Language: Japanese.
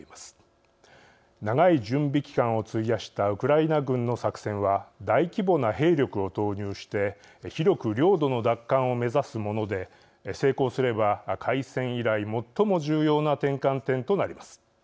長い準備期間を費やしたウクライナ軍の作戦は大規模な兵力を投入して広く領土の奪還を目指すもので成功すれば開戦以来最も重要な転換点となります。